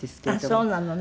あっそうなのね。